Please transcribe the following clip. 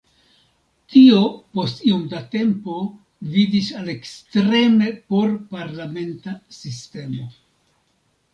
Tio post iom da tempo gvidis al ekstreme por-parlamenta sistemo.